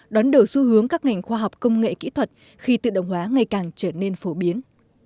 đón đầu xu hướng các ngành khoa học công nghệ kỹ thuật khi tự động hóa ngày càng trở nên phổ biến